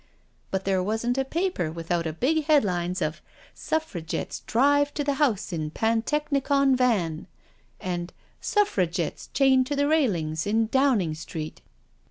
But there wasn't a paper without big headlines of ' Suffragettes drive to the House in Pantechnicon Van/ and ' Suffragettes chained to the railings in Downing Street.'